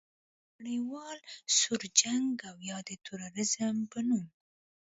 د نړیوال سوړ جنګ او یا د تروریزم په نوم